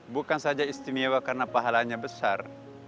bukan saja istimewa karena pahalanya besar